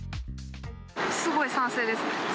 すごい賛成ですね。